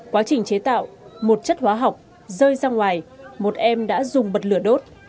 quá trình chế tạo một chất hóa học rơi ra ngoài một em đã dùng bật lửa đốt